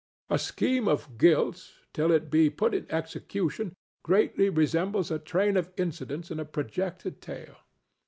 A scheme of guilt, till it be put in execution, greatly resembles a train of incidents in a projected tale.